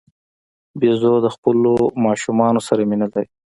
بیزو د خپلو ماشومانو سره مینه لري.